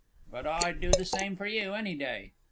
But I'd do the same for you any day.